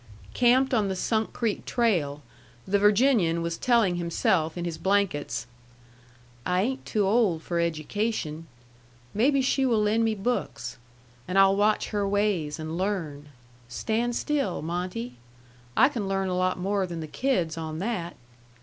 Camped on the Sunk Creek trail, the Virginian was telling himself in his blankets: "I ain't too old for education. Maybe she will lend me books. And I'll watch her ways and learn...stand still, Monte. I can learn a lot more than the kids on that.